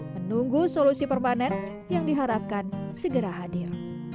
menunggu solusi permanen yang diharapkan segera hadir